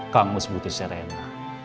kang mus butuh serena